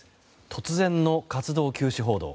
突然の活動休止報道。